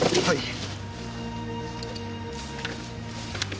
はい。